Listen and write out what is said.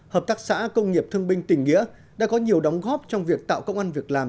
hợp tác xã công nghiệp thương binh tỉnh nghĩa đã có nhiều đóng góp trong việc tạo công an việc làm